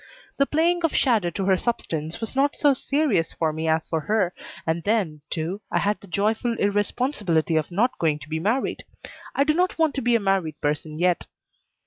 The playing of shadow to her substance was not so serious for me as for her, and then, too, I had the joyful irresponsibility of not going to be married. I do not want to be a married person yet.